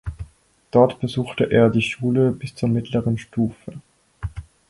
Dort besuchte er die Schule bis zur mittleren Stufe.